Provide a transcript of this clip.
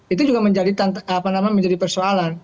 itu juga menjadi persoalan